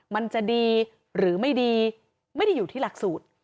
มันจะดีหรือไม่ดีไม่ได้อยู่ที่หลักสูตร